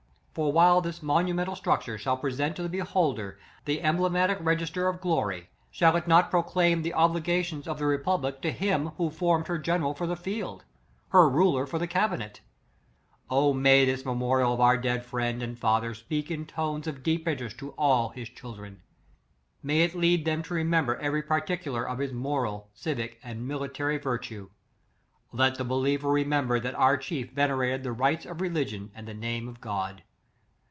For while this monumental structure shall pre sent to the beholder the emblematic regis 35 ter of glory, shall it not proclaim the ob ligations of the republic to Him who form ed her general for the field; her ruler for the the cabinet? O may this memorial of our dead friend and father speak in tones of deep interest to all his children. May it lead them to remember every particu lar of his moral, civic, and military vir tue. Let the believer remember that our chief venerated the rites of religion and the name of God.